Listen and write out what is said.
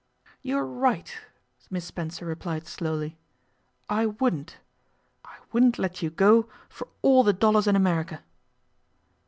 'You are right,' Miss Spencer replied slowly. 'I wouldn't. I wouldn't let you go for all the dollars in America.